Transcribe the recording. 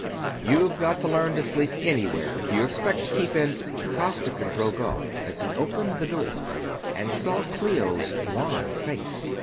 "You've got to learn to sleep anywhere if you expect to keep in...." Costigan broke off as he opened the door and saw Clio's wan face.